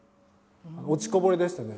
落ちこぼれでしたね。